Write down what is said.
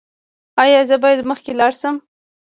ایا زه باید مخکې لاړ شم؟